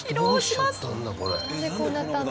なんでこうなったんだ？